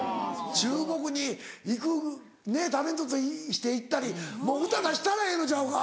中国に行くねっタレントとして行ったりもう歌出したらええのちゃうか？